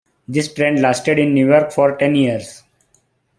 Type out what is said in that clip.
This trend lasted in New York for ten years.